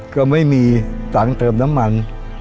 ก็ไม่มีตังค์เติมน้ำมัน